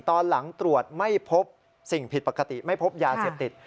ตอนหลังตรวจไม่พบสิ่งผิดปกติไม่พบยาเสพติด